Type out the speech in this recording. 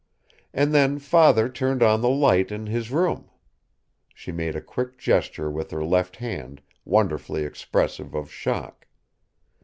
"And then father turned on the light in his room." She made a quick gesture with her left hand, wonderfully expressive of shock.